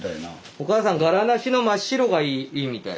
おかあさん柄なしの真っ白がいいみたい。